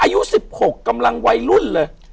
อายุ๑๖กำลังวัยรุ่นเลย